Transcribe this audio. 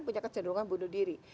punya kecederungan bunuh diri